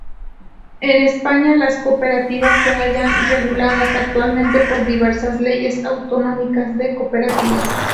En España las cooperativas se hallan reguladas actualmente por diversas Leyes autonómicas de cooperativas.